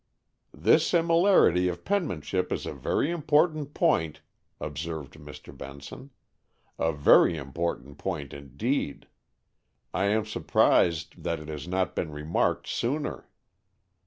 "This similarity of penmanship is a very important point," observed Mr. Benson, "a very important point indeed. I am surprised that it has not been remarked sooner."